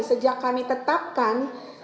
sejak kami tetapkan